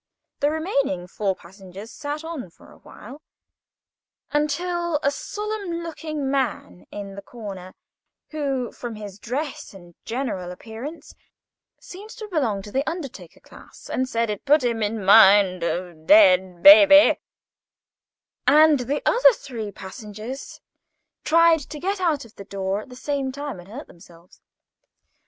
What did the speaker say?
The remaining four passengers sat on for a while, until a solemn looking man in the corner, who, from his dress and general appearance, seemed to belong to the undertaker class, said it put him in mind of dead baby; and the other three passengers tried to get out of the door at the same time, and hurt themselves.